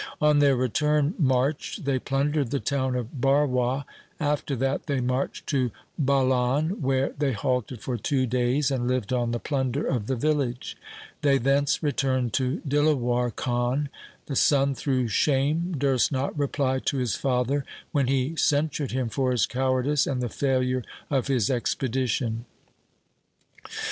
On their return march they plundered the town of Barwa. After that they marched to Bhalan, where they halted for two days and lived on the plunder of the village. They thence returned to Dilawar Khan. The son through shame durst not reply to his father when he censured him for his cowardice and the failure of his expedition.